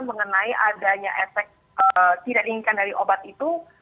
mengenai adanya efek tidak diinginkan dari obat itu